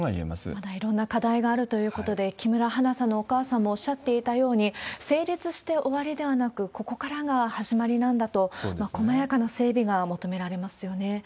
まだいろんな課題があるということで、木村花さんのお母さんもおっしゃっていたように、成立して終わりではなく、ここからが始まりなんだと、こまやかな整備が求められますよね。